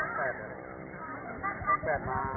มันอยู่ข้างหน้า